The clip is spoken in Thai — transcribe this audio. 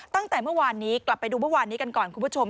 ตั้งแต่เมื่อวานนี้กลับไปดูเมื่อวานนี้กันก่อนคุณผู้ชม